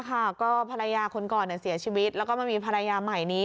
ก็ภรรยาคนก่อนเสียชีวิตแล้วก็มีภรรยามายนี้